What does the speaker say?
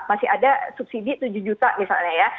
masih ada subsidi tujuh juta misalnya ya